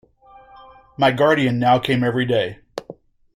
My guardian now came every day.